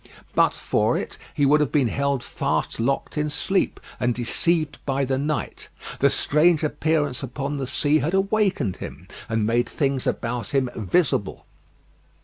But for it he would have been held fast locked in sleep, and deceived by the night. The strange appearance upon the sea had awakened him, and made things about him visible.